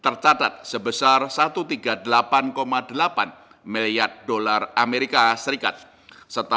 melatihology yang mengaumat dan meng liebe setelah